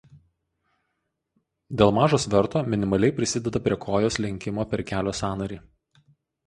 Dėl mažo sverto minimaliai prisideda prie kojos lenkimo per kelio sąnarį.